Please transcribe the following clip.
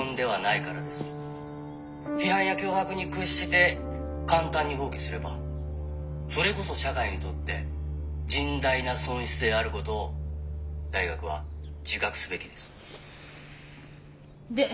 批判や脅迫に屈して簡単に放棄すればそれこそ社会にとって甚大な損失であることを大学は自覚すべきです」。